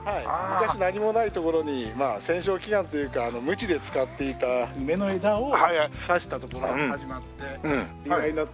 昔何もない所にまあ戦勝祈願というか鞭で使っていた梅の枝を挿したところから始まって由来になって。